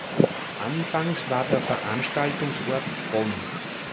Anfangs war der Veranstaltungsort Bonn.